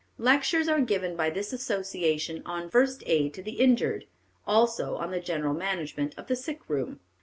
Lectures are given by this association on, first, aid to the injured; also on the general management of the sick room.